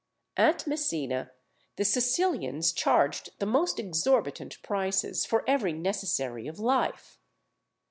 At Messina the Sicilians charged the most exorbitant prices for every necessary of life.